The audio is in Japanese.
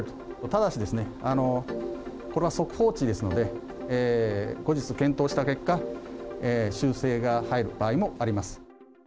ただしですね、これは速報値ですので、後日、検討した結果、修正が入る場合もあります。